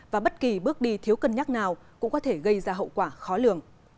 và bất kỳ bước đi thiếu cân nhắc nào cũng có thể gây ra hậu quả khó lường